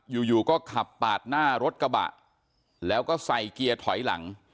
อยู่อยู่ก็ขับปาดหน้ารถกระบะแล้วก็ใส่เกียร์ถอยหลัง